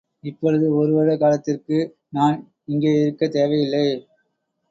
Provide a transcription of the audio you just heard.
இப்பொழுது ஒரு வருட காலத்திற்கு நான் இங்கேயிருக்கத் தேவையில்லை.